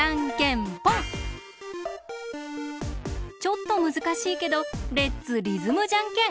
ちょっとむずかしいけどレッツリズムじゃんけん！